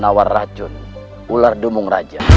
diaktor atau juga pedigang